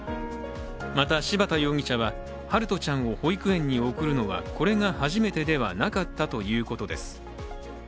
また柴田容疑者は、陽翔ちゃんを保育園に送るのはこれが初めてではなかったということです。